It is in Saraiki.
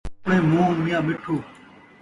آپݨے مونہہ میاں مٹھو